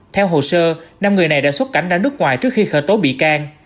theo hồ sơ năm người này đã xuất cảnh ra nước ngoài trước khi khởi tố bị can